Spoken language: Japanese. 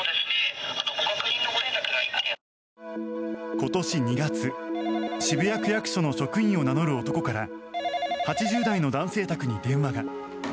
今年２月、渋谷区役所の職員を名乗る男から８０代の男性宅に電話が。